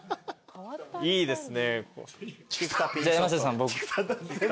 いいですね。